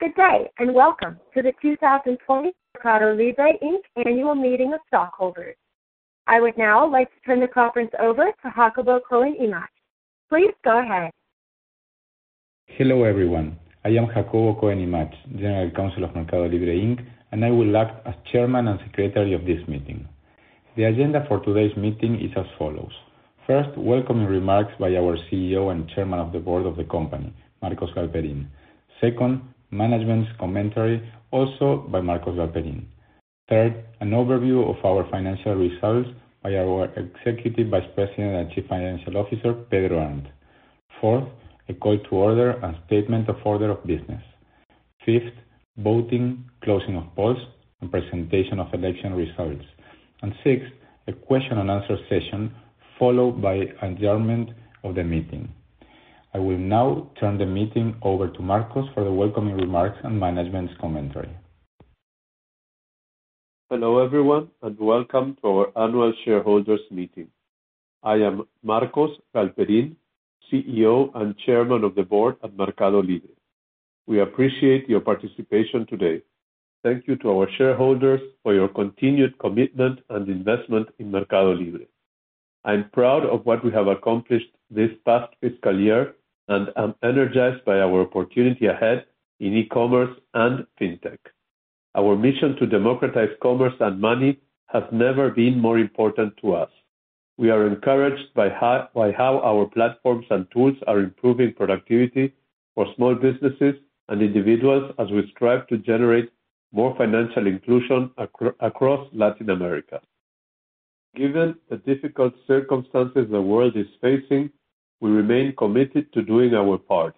Good day, and welcome to the 2020 MercadoLibre, Inc. Annual Meeting of Stockholders. I would now like to turn the conference over to Jacobo Cohen Imach. Please go ahead. Hello, everyone. I am Jacobo Cohen Imach, General Counsel of MercadoLibre, Inc, and I will act as Chairman and Secretary of this meeting. The agenda for today's meeting is as follows. First, welcoming remarks by our CEO and Chairman of the Board of the company, Marcos Galperin. Second, management's commentary, also by Marcos Galperin. Third, an overview of our financial results by our Executive Vice President and Chief Financial Officer, Pedro Arnt. Fourth, a call to order and statement of order of business. Fifth, voting, closing of polls, and presentation of election results. Sixth, a question and answer session, followed by adjournment of the meeting. I will now turn the meeting over to Marcos for the welcoming remarks and management's commentary. Hello, everyone, welcome to our annual shareholders' meeting. I am Marcos Galperin, CEO and Chairman of the Board of MercadoLibre. We appreciate your participation today. Thank you to our shareholders for your continued commitment and investment in MercadoLibre. I'm proud of what we have accomplished this past fiscal year, and am energized by our opportunity ahead in e-commerce and fintech. Our mission to democratize commerce and money has never been more important to us. We are encouraged by how our platforms and tools are improving productivity for small businesses and individuals as we strive to generate more financial inclusion across Latin America. Given the difficult circumstances the world is facing, we remain committed to doing our part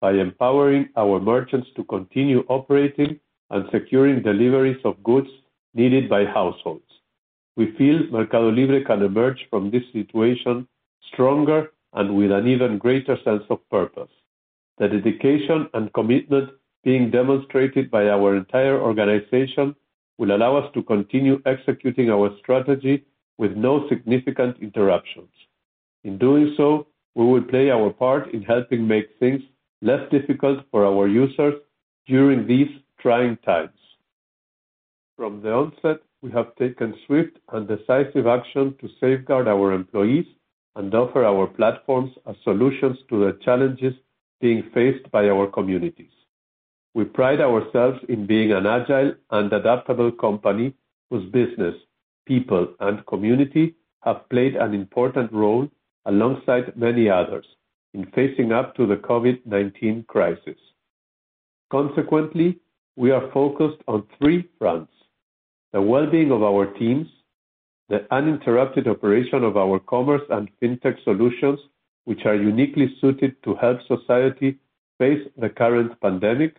by empowering our merchants to continue operating and securing deliveries of goods needed by households. We feel MercadoLibre can emerge from this situation stronger and with an even greater sense of purpose. The dedication and commitment being demonstrated by our entire organization will allow us to continue executing our strategy with no significant interruptions. In doing so, we will play our part in helping make things less difficult for our users during these trying times. From the onset, we have taken swift and decisive action to safeguard our employees and offer our platforms as solutions to the challenges being faced by our communities. We pride ourselves in being an agile and adaptable company whose business, people, and community have played an important role alongside many others in facing up to the COVID-19 crisis. Consequently, we are focused on three fronts: the well-being of our teams, the uninterrupted operation of our commerce and fintech solutions, which are uniquely suited to help society face the current pandemic,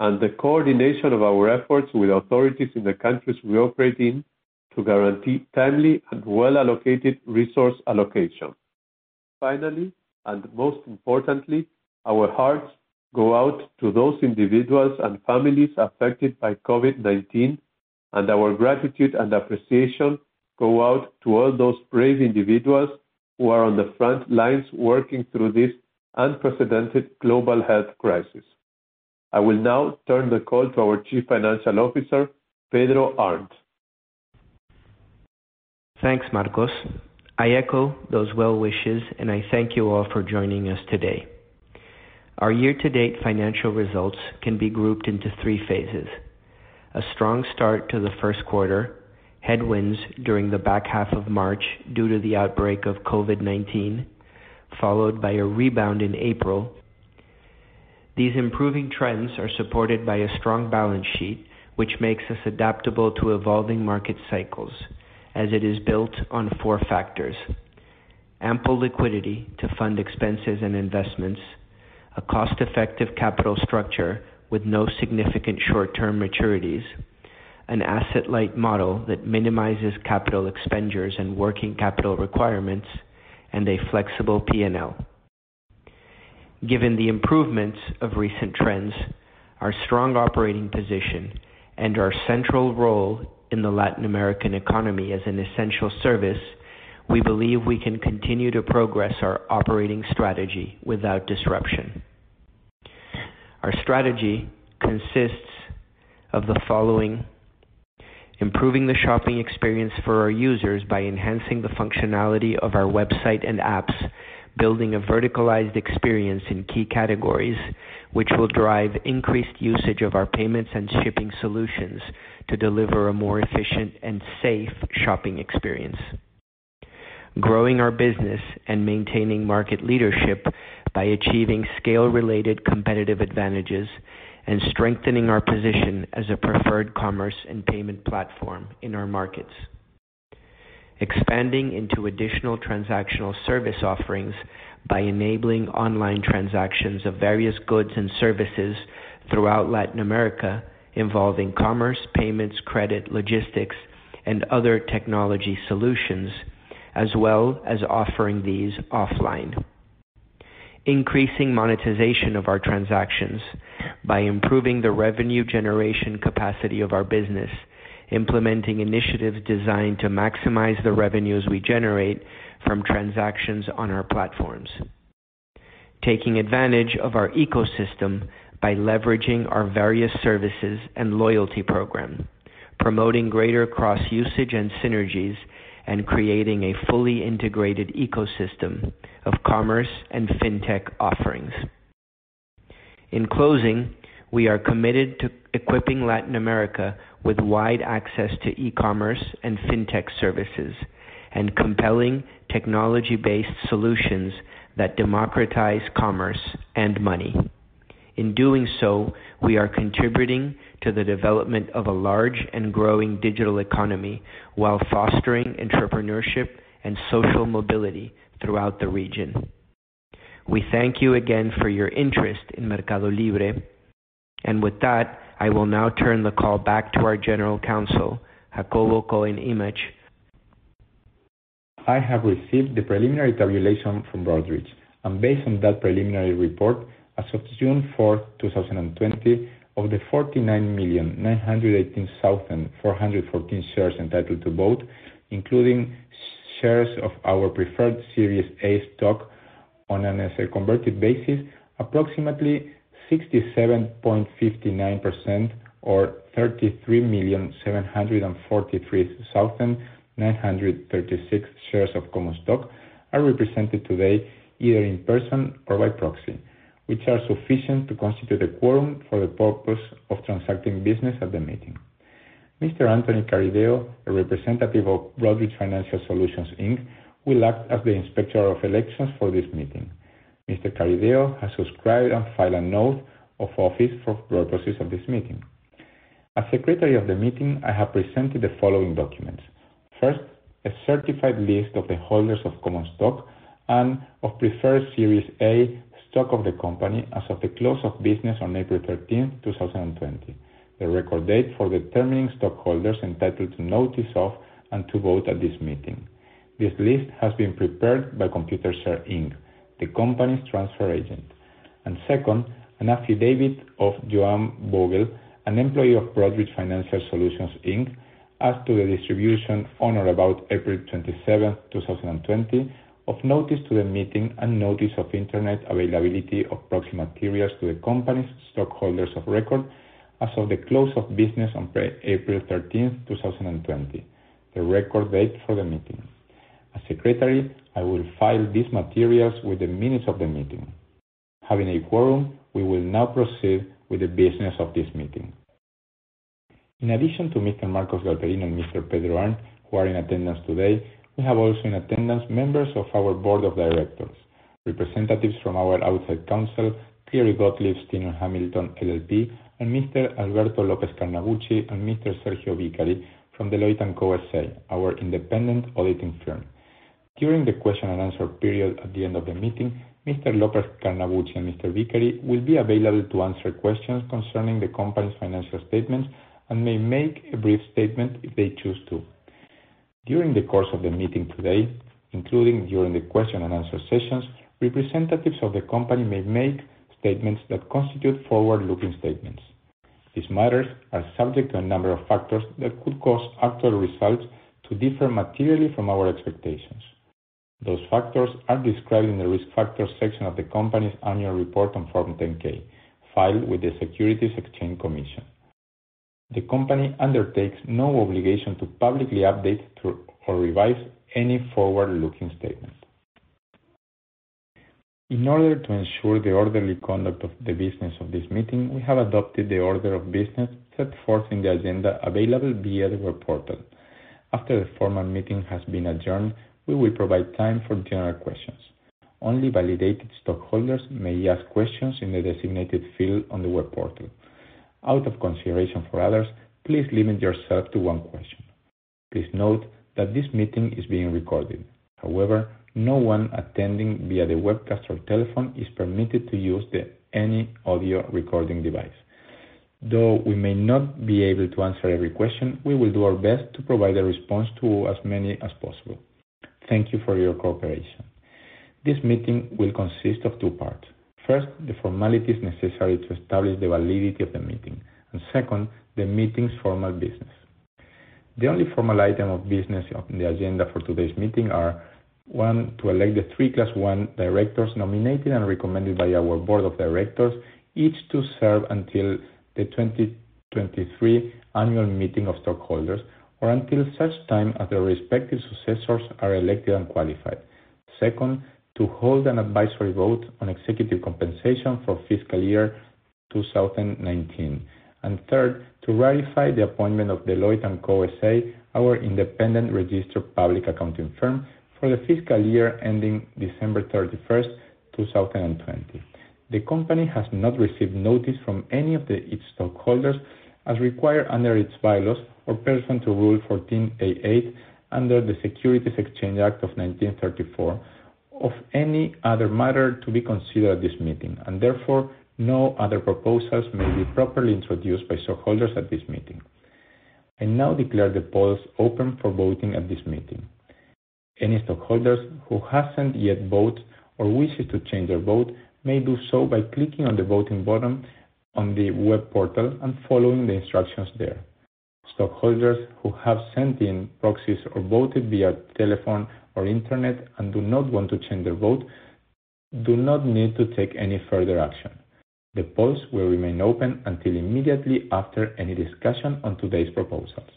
and the coordination of our efforts with authorities in the countries we operate in to guarantee timely and well-allocated resource allocation. Finally, most importantly, our hearts go out to those individuals and families affected by COVID-19, and our gratitude and appreciation go out to all those brave individuals who are on the front lines working through this unprecedented global health crisis. I will now turn the call to our Chief Financial Officer, Pedro Arnt. Thanks, Marcos. I echo those well wishes, and I thank you all for joining us today. Our year-to-date financial results can be grouped into three phases. A strong start to the first quarter, headwinds during the back half of March due to the outbreak of COVID-19, followed by a rebound in April. These improving trends are supported by a strong balance sheet, which makes us adaptable to evolving market cycles, as it is built on four factors: ample liquidity to fund expenses and investments, a cost-effective capital structure with no significant short-term maturities, an asset-light model that minimizes capital expenditures and working capital requirements, and a flexible P&L. Given the improvements of recent trends, our strong operating position, and our central role in the Latin American economy as an essential service, we believe we can continue to progress our operating strategy without disruption. Our strategy consists of the following: improving the shopping experience for our users by enhancing the functionality of our website and apps, building a verticalized experience in key categories, which will drive increased usage of our payments and shipping solutions to deliver a more efficient and safe shopping experience. Growing our business and maintaining market leadership by achieving scale-related competitive advantages and strengthening our position as a preferred commerce and payment platform in our markets. Expanding into additional transactional service offerings by enabling online transactions of various goods and services throughout Latin America involving commerce, payments, credit, logistics, and other technology solutions, as well as offering these offline. Increasing monetization of our transactions by improving the revenue generation capacity of our business, implementing initiatives designed to maximize the revenues we generate from transactions on our platforms. Taking advantage of our ecosystem by leveraging our various services and loyalty program, promoting greater cross-usage and synergies, and creating a fully integrated ecosystem of commerce and fintech offerings. In closing, we are committed to equipping Latin America with wide access to e-commerce and fintech services, and compelling technology-based solutions that democratize commerce and money. In doing so, we are contributing to the development of a large and growing digital economy while fostering entrepreneurship and social mobility throughout the region. We thank you again for your interest in MercadoLibre. With that, I will now turn the call back to our General Counsel, Jacobo Cohen Imach. I have received the preliminary tabulation from Broadridge. Based on that preliminary report, as of June 4, 2020, of the 49,918,414 shares entitled to vote, including shares of our preferred Series A stock on a necessary converted basis, approximately 67.59%, or 33,743,936 shares of common stock, are represented today, either in person or by proxy, which are sufficient to constitute a quorum for the purpose of transacting business at the meeting. Mr. Anthony Carideo, a representative of Broadridge Financial Solutions, Inc, will act as the Inspector of Elections for this meeting. Mr. Carideo has subscribed and filed an oath of office for purposes of this meeting. As Secretary of the meeting, I have presented the following documents. First, a certified list of the holders of common stock and of preferred Series A stock of the company as of the close of business on April 13, 2020, the record date for determining stockholders entitled to notice of and to vote at this meeting. This list has been prepared by Computershare, Inc, the company's transfer agent. Second, an affidavit of Joan Vogel, an employee of Broadridge Financial Solutions, Inc, as to the distribution on or about April 27, 2020, of notice to the meeting and notice of internet availability of proxy materials to the company's stockholders of record as of the close of business on April 13, 2020, the record date for the meeting. As Secretary, I will file these materials with the minutes of the meeting. Having a quorum, we will now proceed with the business of this meeting. In addition to Mr. Marcos Galperin and Mr. Pedro Arnt, who are in attendance today, we have also in attendance members of our board of directors, representatives from our outside counsel, Cleary Gottlieb Steen & Hamilton LLP, and Mr. Alberto López Carnabucci and Mr. Sergio Vicari from Deloitte & Co S.A, our independent auditing firm. During the question and answer period at the end of the meeting, Mr. López Carnabucci and Mr. Vicari will be available to answer questions concerning the company's financial statements and may make a brief statement if they choose to. During the course of the meeting today, including during the question and answer sessions, representatives of the company may make statements that constitute forward-looking statements. These matters are subject to a number of factors that could cause actual results to differ materially from our expectations. Those factors are described in the Risk Factors section of the company's annual report on Form 10-K, filed with the Securities and Exchange Commission. The company undertakes no obligation to publicly update or revise any forward-looking statement. In order to ensure the orderly conduct of the business of this meeting, we have adopted the order of business set forth in the agenda available via the web portal. After the formal meeting has been adjourned, we will provide time for general questions. Only validated stockholders may ask questions in the designated field on the web portal. Out of consideration for others, please limit yourself to one question. Please note that this meeting is being recorded. However, no one attending via the webcast or telephone is permitted to use any audio recording device. Though we may not be able to answer every question, we will do our best to provide a response to as many as possible. Thank you for your cooperation. This meeting will consist of two parts. First, the formalities necessary to establish the validity of the meeting, and second, the meeting's formal business. The only formal item of business on the agenda for today's meeting are, one, to elect the three Class I directors nominated and recommended by our board of directors, each to serve until the 2023 annual meeting of stockholders, or until such time as their respective successors are elected and qualified. Second, to hold an advisory vote on executive compensation for fiscal year 2019. Third, to ratify the appointment of Deloitte & Co S.A, our independent registered public accounting firm, for the fiscal year ending December 31, 2020. The company has not received notice from any of its stockholders as required under its bylaws or pursuant to Rule 14a-8 under the Securities Exchange Act of 1934 of any other matter to be considered at this meeting. Therefore, no other proposals may be properly introduced by stockholders at this meeting. I now declare the polls open for voting at this meeting. Any stockholders who haven't yet voted or wish to change their vote may do so by clicking on the voting button on the web portal and following the instructions there. Stockholders who have sent in proxies or voted via telephone or Internet and do not want to change their vote do not need to take any further action. The polls will remain open until immediately after any discussion on today's proposals.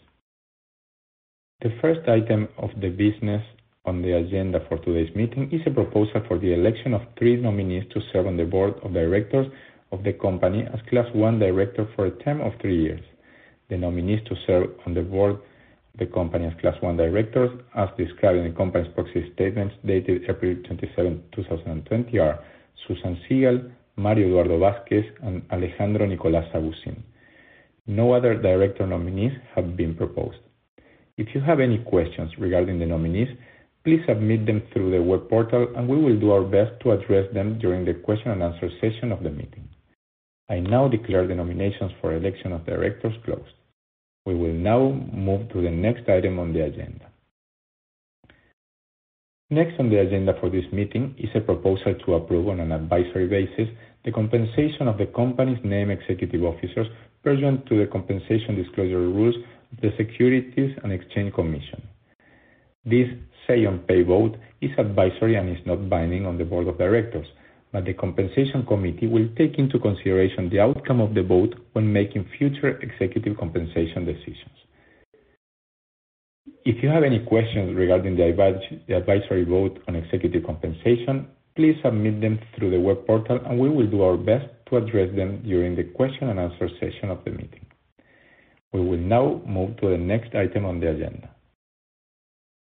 The first item of the business on the agenda for today's meeting is a proposal for the election of three nominees to serve on the board of directors of the company as Class I director for a term of three years. The nominees to serve on the board of the company as Class I director, as described in the company's proxy statements dated April 27, 2020, are Susan Segal, Mario Eduardo Vázquez, and Alejandro Nicolás Aguzin. No other director nominees have been proposed. If you have any questions regarding the nominees, please submit them through the web portal, and we will do our best to address them during the question and answer session of the meeting. I now declare the nominations for election of directors closed. We will now move to the next item on the agenda. Next on the agenda for this meeting is a proposal to approve, on an advisory basis, the compensation of the company's named executive officers pursuant to the compensation disclosure rules of the Securities and Exchange Commission. This say on pay vote is advisory and is not binding on the board of directors, but the compensation committee will take into consideration the outcome of the vote when making future executive compensation decisions. If you have any questions regarding the advisory vote on executive compensation, please submit them through the web portal, and we will do our best to address them during the question and answer session of the meeting. We will now move to the next item on the agenda.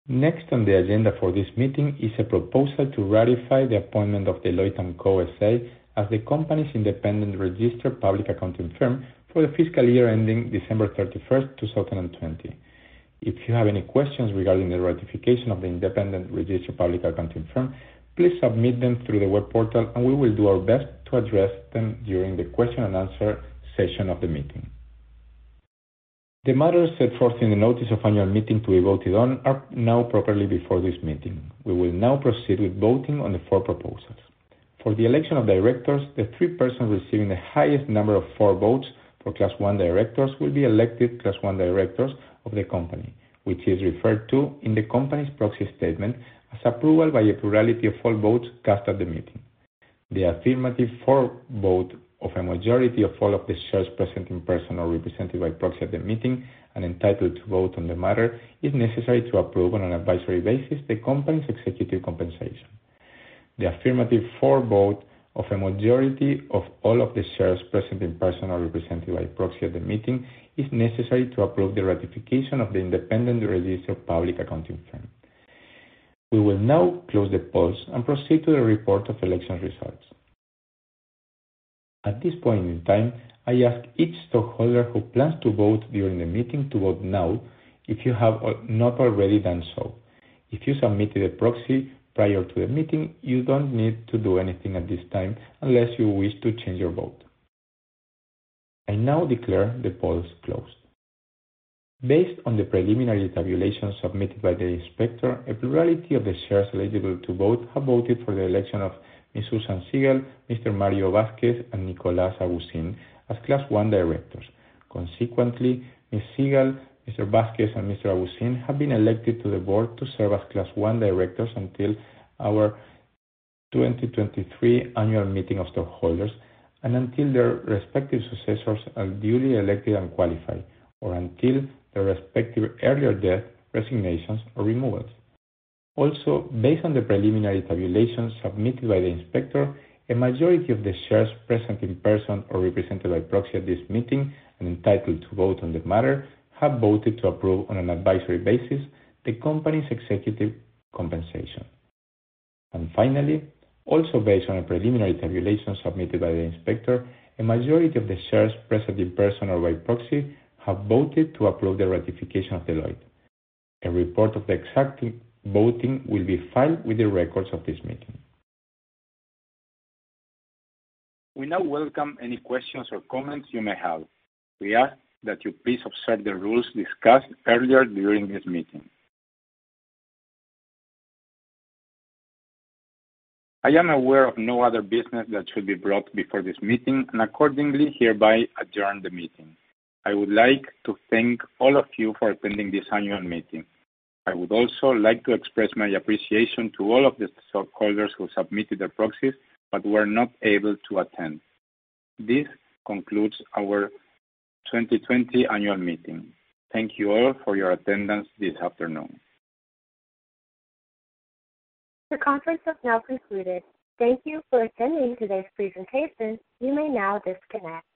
Next on the agenda for this meeting is a proposal to ratify the appointment of Deloitte & Co, S.A. as the company's independent registered public accounting firm for the fiscal year ending December 31st, 2020. If you have any questions regarding the ratification of the independent registered public accounting firm, please submit them through the web portal, and we will do our best to address them during the question and answer session of the meeting. The matters set forth in the notice of annual meeting to be voted on are now properly before this meeting. We will now proceed with voting on the four proposals. For the election of directors, the three persons receiving the highest number of "for" votes for Class I directors will be elected Class I directors of the company, which is referred to in the company's proxy statement as approval by a plurality of all votes cast at the meeting. The affirmative "for" vote of a majority of all of the shares present in person or represented by proxy at the meeting and entitled to vote on the matter is necessary to approve, on an advisory basis, the company's executive compensation. The affirmative "for" vote of a majority of all of the shares present in person or represented by proxy at the meeting is necessary to approve the ratification of the independent registered public accounting firm. We will now close the polls and proceed to the report of election results. At this point in time, I ask each stockholder who plans to vote during the meeting to vote now if you have not already done so. If you submitted a proxy prior to the meeting, you don't need to do anything at this time unless you wish to change your vote. I now declare the polls closed. Based on the preliminary tabulation submitted by the inspector, a plurality of the shares eligible to vote have voted for the election of Ms. Susan Segal, Mr. Mario Vazquez, and Nicolás Aguzin as Class I director. Consequently, Ms. Segal, Mr. Vazquez, and Mr. Aguzin have been elected to the board to serve as Class I director until our 2023 annual meeting of stockholders and until their respective successors are duly elected and qualified, or until their respective earlier death, resignations, or removals. Also, based on the preliminary tabulation submitted by the inspector, a majority of the shares present in person or represented by proxy at this meeting and entitled to vote on the matter have voted to approve, on an advisory basis, the company's executive compensation. Finally, also based on a preliminary tabulation submitted by the inspector, a majority of the shares present in person or by proxy have voted to approve the ratification of Deloitte. A report of the exact voting will be filed with the records of this meeting. We now welcome any questions or comments you may have. We ask that you please observe the rules discussed earlier during this meeting. I am aware of no other business that should be brought before this meeting, and accordingly, hereby adjourn the meeting. I would like to thank all of you for attending this annual meeting. I would also like to express my appreciation to all of the stockholders who submitted their proxies but were not able to attend. This concludes our 2020 annual meeting. Thank you all for your attendance this afternoon. The conference has now concluded. Thank you for attending today's presentation. You may now disconnect.